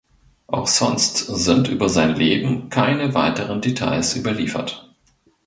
Auch sonst sind über sein Leben keine weiteren Details überliefert.